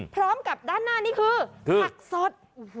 พร้อมกับด้านหน้านี่คือผักสด